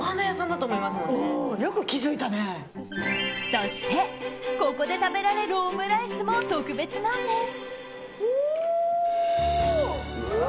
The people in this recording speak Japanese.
そして、ここで食べられるオムライスも特別なんです。